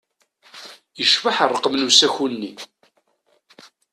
Icbeḥ ṛṛqem n usaku-nni.